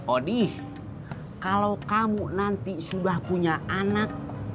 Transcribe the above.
odi kalau kamu nanti sudah punya anak